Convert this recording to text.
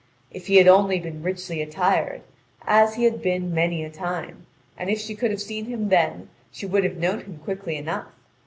If he had only been richly attired, as he had been many a time, and if she could have seen him then she would have known him quickly enough.